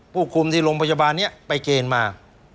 ผู้คุมที่โรงพยาบาลนี้ไปเกณฑ์มา